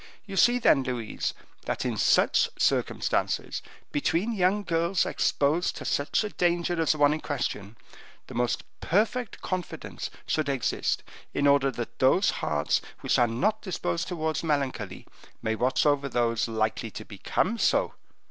You see, then, Louise, that, in such circumstances, between young girls exposed to such a danger as the one in question, the most perfect confidence should exist, in order that those hearts which are not disposed towards melancholy may watch over those likely to become so."